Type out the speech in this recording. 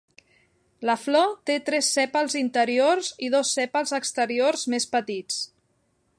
La flor té tres sèpals interiors i dos sèpals exteriors més petits.